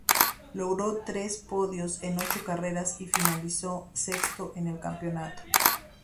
Logró tres podios en ocho carreras y finalizó sexto en el campeonato.